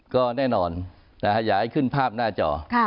ก็แน่นอนอยากให้ขึ้นภาพหน้าจอ